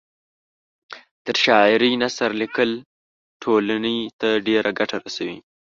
تر شاعرۍ نثر لیکل ټولنۍ ته ډېره ګټه رسوي